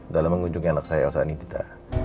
dalam mengunjungi anak saya elsa nita